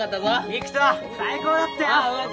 偉人最高だったよ！